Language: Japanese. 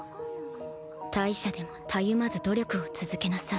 「大赦でもたゆまず努力を続けなさい。